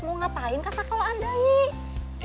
mau ngapain kah sekolah anda i